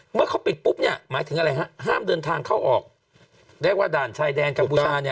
เมื่อเขาปิดปุ๊บเนี่ยหมายถึงอะไรฮะห้ามเดินทางเข้าออกเรียกว่าด่านชายแดนกัมพูชาเนี่ย